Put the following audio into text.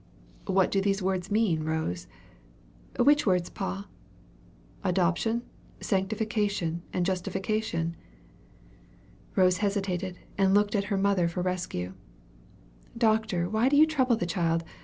"What do those words mean, Rose?" "Which words, pa?" "Adoption, sanctification, and justification?" Rose hesitated, and looked at her mother for rescue. "Doctor, why do you trouble the child?